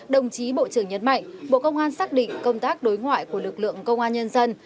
đồng chí bộ trưởng nhấn mạnh bộ công an xác định công tác đối ngoại của lực lượng công an nhân dân